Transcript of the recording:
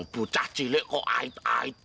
bucah cilik kok ait ait